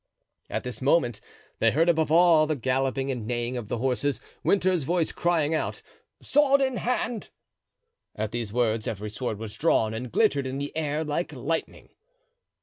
At this moment they heard above all the galloping and neighing of the horses Winter's voice crying out: "Sword in hand!" At these words every sword was drawn, and glittered in the air like lightning.